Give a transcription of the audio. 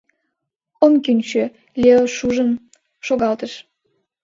«Ом кӱнчӧ, – Лео шужым шогалтыш.